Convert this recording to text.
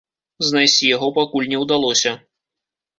Знайсці яго пакуль не ўдалося.